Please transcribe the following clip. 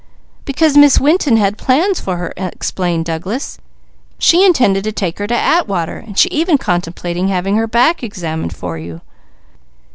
"Because Miss Winton had plans for her," explained Douglas. "She intended to take her to Atwater, and she even contemplated having her back examined for you."